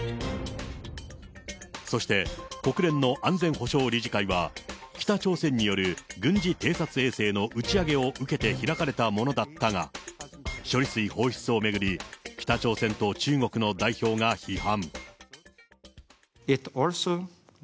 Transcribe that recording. そして国連の安全保障理事会は、北朝鮮による軍事偵察衛星の打ち上げを受けて開かれたものだったが、処理水放出を巡り、北朝鮮と中国の代表が批判。